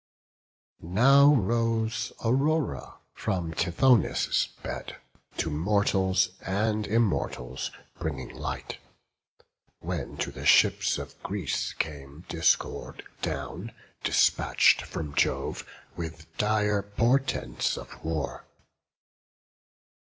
BOOK XI. Now rose Aurora from Tithonus' bed, To mortals and Immortals bringing light; When to the ships of Greece came Discord down, Despatch'd from Jove, with dire portents of war.